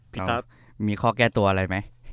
พี่ตะมีข้อแก้ตัวอะไรไหม